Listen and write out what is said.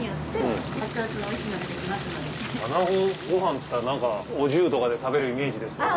あなごご飯っつったら何かお重とかで食べるイメージですけどね。